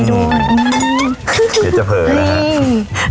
อืมเดี๋ยวจะเผลอนะฮะ